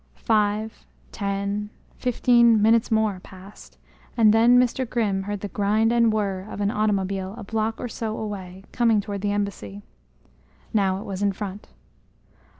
Five, ten, fifteen minutes more passed, and then Mr. Grimm heard the grind and whir of an automobile a block or so away, coming toward the embassy. Now it was in front.